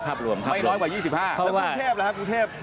แล้วกรุงเทพฯหรือครับกรุงเทพฯ